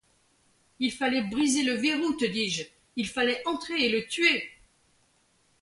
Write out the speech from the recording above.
Il fallait briser le verrou, te dis-je ; il fallait entrer et le tuer.